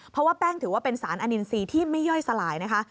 เพราะว่าแป้งถือว่าเป็นสารอนินทรีย์ที่ไม่ย่อยสลายนะคะ